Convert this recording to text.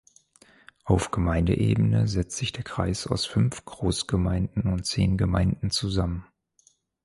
Auf Gemeindeebene setzt sich der Kreis aus fünf Großgemeinden und zehn Gemeinden zusammen.